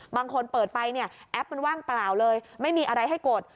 บางคนเปิดไปแอปมันว่างเปล่าเลยไม่มีอะไรให้กด